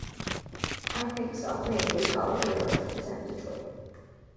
I think self-made, blue-collar heroes represent Detroit.